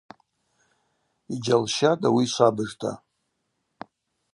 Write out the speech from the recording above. Йджьалщатӏ ауи швабыжта.